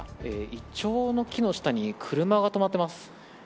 イチョウの木の下に車が止まっています。